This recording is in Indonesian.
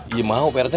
iya mau pak rt